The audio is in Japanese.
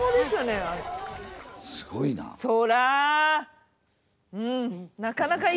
すごいな。